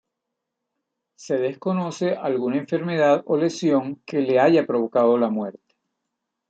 Se desconoce alguna enfermedad o lesión que le haya provocado la muerte.